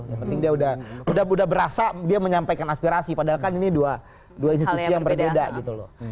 yang penting dia udah berasa dia menyampaikan aspirasi padahal kan ini dua institusi yang berbeda gitu loh